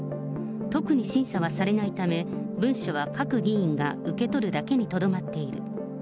特に審査はされないため、文書は各議員が受け取るだけにとどまっている。